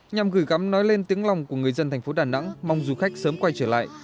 nhằm gửi gắm nói lên tiếng lòng của người dân thành phố đà nẵng mong du khách sớm quay trở lại